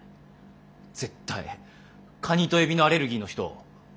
カニとエビのアレルギーの人。